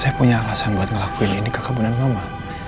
saya punya alasan buat ngelakuin ini ke kabunan mama